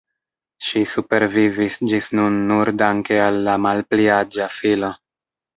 Ŝi supervivis ĝis nun nur danke al la malpli aĝa filo.